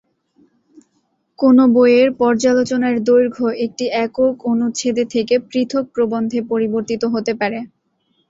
কোনও বইয়ের পর্যালোচনার দৈর্ঘ্য একটি একক অনুচ্ছেদে থেকে পৃথক প্রবন্ধে পরিবর্তিত হতে পারে।